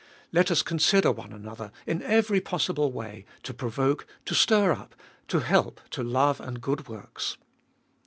Let us consider one another, in every possible way, to provoke, to stir up, to help to love and good works.